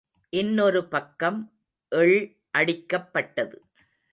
இன்னொரு பக்கம், எள் அடிக்கப் பட்டது.